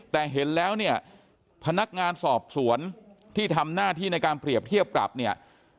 แต่เห็นแล้วเนี่ยพนักงานสอบสวนที่ทำหน้าที่ในการเปรียบเทียบปรับเนี่ย